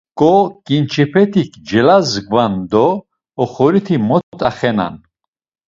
Ǩo, ǩinçepetik celazgvan do oxoriti mot axenan.